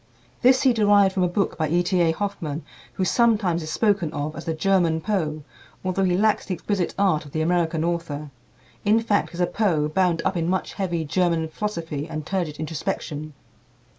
This he derived from a book by E. T. A. Hoffmann, who sometimes is spoken of as the German Poe, although he lacks the exquisite art of the American author in fact, is a Poe bound up in much heavy German philosophy and turgid introspection.